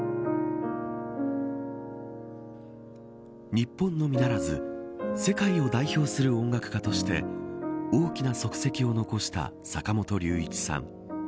日本のみならず世界を代表する音楽家として大きな足跡を残した坂本龍一さん。